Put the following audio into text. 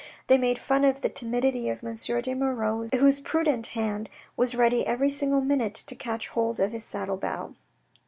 They made fun of the timidity of M. de Moirod, whose prudent hand was ready every single minute to catch hold of his saddle bow.